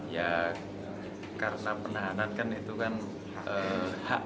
ya karena penahanan kan itu kan hak